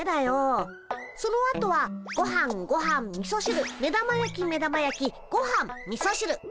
そのあとはごはんごはんみそしる目玉焼き目玉焼きごはんみそしる。